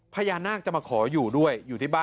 พี่มีอาการป่วยไข้นะ